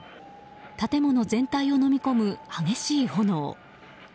建物全体をのみ込む激しい炎。